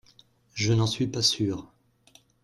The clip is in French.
Je n’en suis pas sûre